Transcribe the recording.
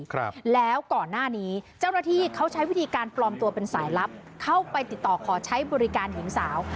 ครับแล้วก่อนหน้านี้เจ้าหน้าที่เขาใช้วิธีการปลอมตัวเป็นสายลับเข้าไปติดต่อขอใช้บริการหญิงสาว